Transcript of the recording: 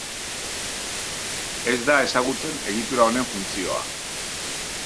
Ez da ezagutzen egitura honen funtzioa.